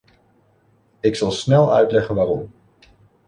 Ik zal snel uitleggen waarom.